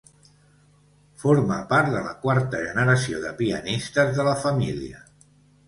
Forma part de la quarta generació de pianistes de la família.